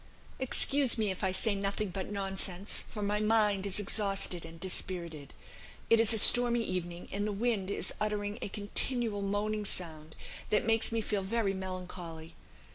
Excuse me if I say nothing but nonsense, for my mind is exhausted and dispirited. It is a stormy evening, and the wind is uttering a continual moaning sound, that makes me feel very melancholy.